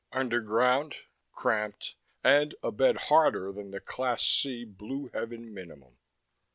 Underground cramped and a bed harder than the Class C Blue Heaven minimum.